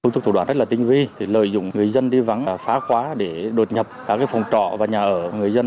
thủ đoán rất là tinh vi lợi dụng người dân đi vắng phá khóa để đột nhập cả phòng trọ và nhà ở người dân